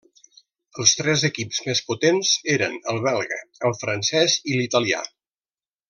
Els tres equips més potents eren el belga, el francès i l'italià.